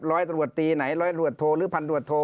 ร้อยตลวดตีไหนร้อยตลวดโท